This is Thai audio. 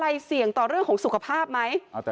ถ้ายังไม่ได้ฉีดวัคซีนสำคัญหรือไม่นะคะ